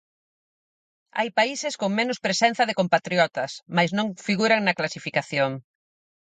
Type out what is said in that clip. Hai países con menos presenza de compatriotas, mais non figuran na clasificación.